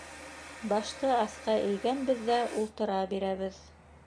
Башты аҫҡа эйгәнбеҙ ҙә ултыра бирәбеҙ.